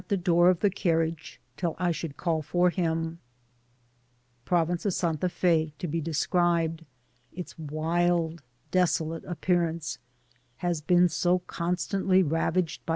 the door of the carriage till I should call t6t him Province of Santa F6 to be desoribed^ts wild, desdate appearance has been so ccn^tantly ra« vaged by.